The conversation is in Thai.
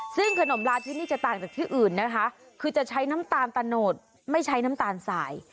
ซึ่งขนมลาที่นี่จะต่างจากที่อื่นนะคะคือจะใช้น้ำตาลตะโนดไม่ใช้น้ำตาลสาย